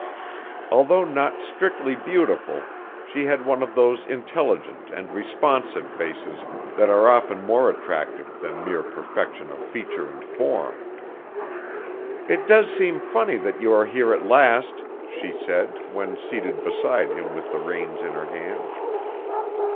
Although not strictly beautiful, she had one of those intelligent and responsive faces that are often more attractive than mere perfection of feature and form. "It does seem funny that you are here at last!" she said, when seated beside him with the reins in her hand.